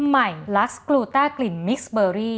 ใหม่ลัสกลูต้ากลิ่นมิกซ์เบอรี่